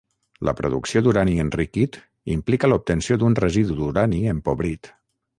La producció d'urani enriquit implica l'obtenció d'un residu d'urani empobrit.